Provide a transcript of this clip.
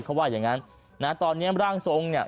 เขาว่ายังงั้นตอนนี้ร่างทรงเนี่ย